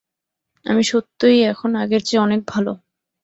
আমি সত্যই এখন আগের চেয়ে অনেক ভাল।